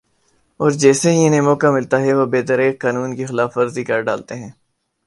اور جیسے ہی انھیں موقع ملتا ہے وہ بے دریغ قانون کی خلاف ورزی کر ڈالتے ہیں